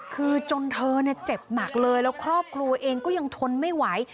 คือจนเธอเนี่ยเจ็บหนักเลยแล้วครอบครัวเองก็ยังทนไม่ไหว